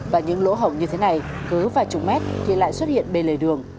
và những lỗ hổng như thế này cứ vài chục mét thì lại xuất hiện bên lề đường